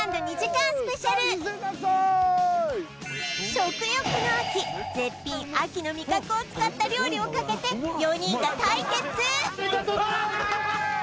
食欲の秋絶品秋の味覚を使った料理をかけて４人が対決！